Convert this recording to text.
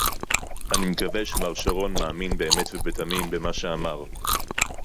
אני מקווה שמר שרון מאמין באמת ובתמים במה שאמר